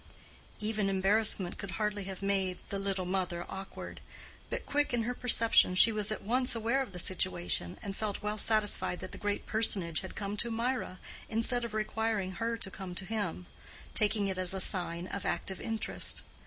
Even embarrassment could hardly have made the "little mother" awkward, but quick in her perceptions she was at once aware of the situation, and felt well satisfied that the great personage had come to Mirah instead of requiring her to come to him; taking it as a sign of active interest.